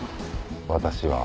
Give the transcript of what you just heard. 私は。